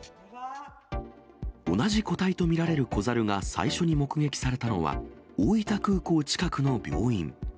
同じ個体と見られる子猿が最初に目撃されたのは、大分空港近くの病院。